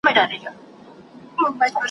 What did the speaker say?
دلته چا په ویښه نه دی ازمېیلی ,